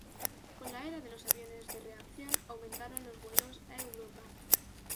Con la era de los aviones de reacción, aumentaron los vuelos a Europa.